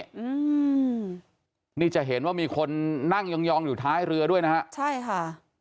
อืมนี่จะเห็นว่ามีคนนั่งยองยองอยู่ท้ายเรือด้วยนะฮะใช่ค่ะ